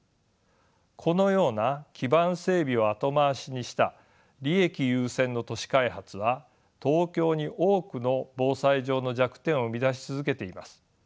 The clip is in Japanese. このような基盤整備を後回しにした利益優先の都市開発は東京に多くの防災上の弱点を生み出し続けています。